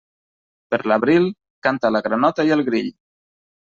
Per l'abril, canta la granota i el grill.